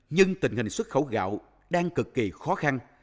nhưng tình hình xuất khẩu gạo đang cực kỳ khó khăn